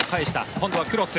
今度はクロス。